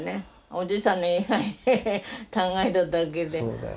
おじいさんの位牌抱えただけで。